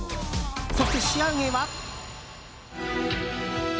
そして、仕上げは。